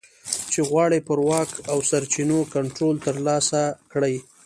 چې غواړي پر واک او سرچینو کنټرول ترلاسه کړي